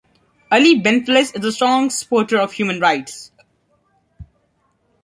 Ali Benflis is a strong supporter of human rights.